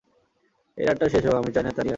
এই রাতটা শেষ হোক আমি চাই না, তানিয়া।